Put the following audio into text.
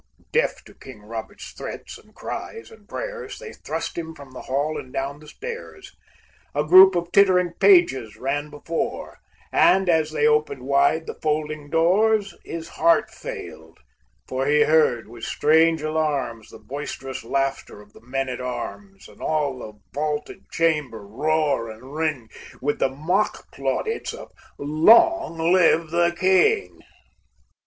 Deaf to King Robert's threats and cries and prayers, They thrust him from the hall and down the stairs; A group of tittering pages ran before, And as they opened wide the folding doors, His heart failed, for he heard, with strange alarms, The boisterous laughter of the men at arms, And all the vaulted chamber roar and ring With the mock plaudits of "Long live the King!"